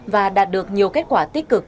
và đạt được nhiều kết quả tích cực